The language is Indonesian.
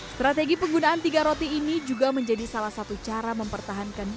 strategi penggunaan tiga roti ini juga menjadi salah satu cara mempertahankan